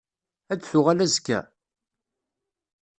Ad d-tuɣal azekka?